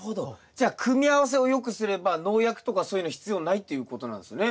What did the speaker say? じゃあ組み合わせを良くすれば農薬とかそういうの必要ないっていうことなんですね。